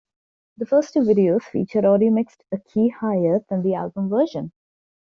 The first two videos featured audio mixed a key higher than the album version.